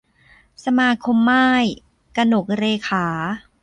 สมาคมม่าย - กนกเรขา